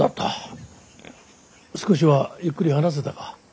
少しはゆっくり話せたか。